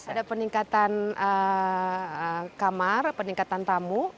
ada peningkatan kamar peningkatan tamu